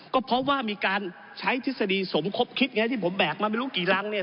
ก็เพราะว่ามีการใช้ทฤษฎีสมคบคิดไงที่ผมแบกมาไม่รู้กี่รังเนี่ย